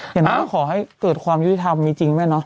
ลุยขอให้เกิดความยุติธรรมนี้จริงไหมเนอะ